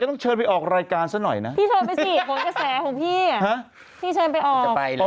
ก็เป็นใจอะไรครับพี่หนุ่ม